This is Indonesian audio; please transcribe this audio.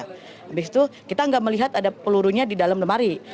habis itu kita nggak melihat ada pelurunya di dalam lemari